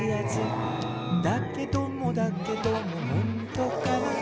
「だけどもだけどもほんとかな」